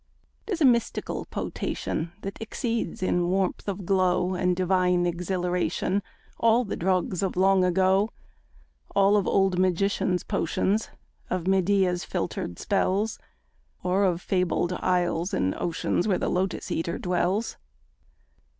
'Tis a mystical potation That exceeds in warmth of glow And divine exhilaration All the drugs of long ago All of old magicians' potions Of Medea's filtered spells Or of fabled isles and oceans Where the Lotos eater dwells!